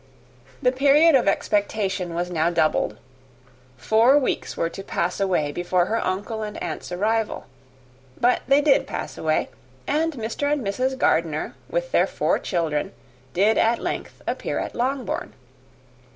The period of expectation was now doubled. Four weeks were to pass away before her uncle and aunt's arrival. But they did pass away, and Mr. and Mrs. Gardiner, with their four children, did at length appear at Longbourn.